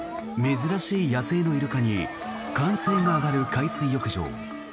珍しい野生のイルカに歓声が上がる海水浴場。